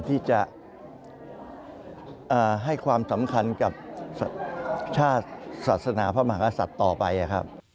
ที่จะให้ความสำคัญกับชาติศาสนาพระมหากษัตริย์ต่อไปครับ